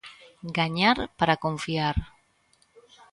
Gañar para confiar.